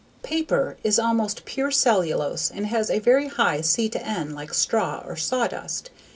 Paper is almost pure cellulose and has a very high C/N like straw or sawdust.